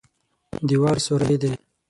دېوال سوری دی.